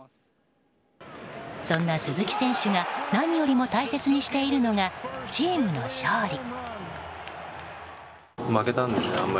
そんな鈴木選手が何よりも大切にしているのがチームの勝利。